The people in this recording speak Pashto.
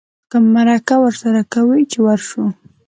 که مرکه ورسره کوې چې ورشو.